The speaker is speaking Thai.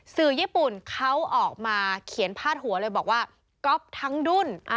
สื่อญี่ปุ่นเขาออกมาเขียนพาดหัวเลยบอกว่าก๊อฟทั้งดุ้น